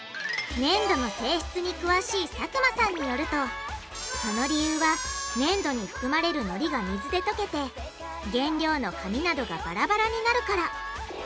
ねんどの性質に詳しい佐久間さんによるとその理由はねんどに含まれるのりが水で溶けて原料の紙などがバラバラになるから。